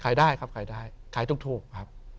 ขายได้ครับขายได้ขายถูกครับ